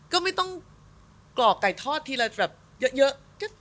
ก็ไม่ต้องกรอกไก่ทอดทีละแบบเยอะ